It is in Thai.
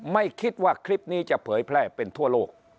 ไม่คิดว่าคลิปนี้จะเผยแพร่เป็นทั่วโลก